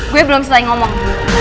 gue belum selesai ngomong